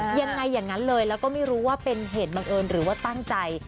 อย่างนั้นเลยแล้วก็ไม่รู้ว่าเป็นเหตุบังเอิญหรือว่าตั้งใจ